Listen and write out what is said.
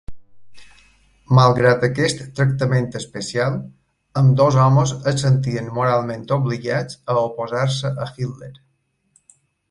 Malgrat aquest tractament especial, ambdós homes es sentien moralment obligats a oposar-se a Hitler.